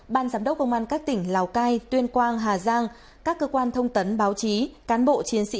ban giám đốc công an các tỉnh lào cai tuyên quang hà giang các cơ quan thông tấn báo chí cán bộ chiến sĩ